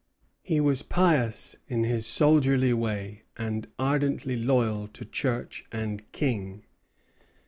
'" He was pious in his soldierly way, and ardently loyal to Church and King.